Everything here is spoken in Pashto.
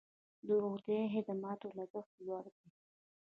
د روغتیايي خدماتو لګښت لوړ دی